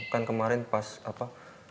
kan kemarin pas apa